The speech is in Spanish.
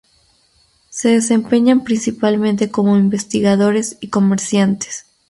Se desempeñan principalmente como investigadores y comerciantes.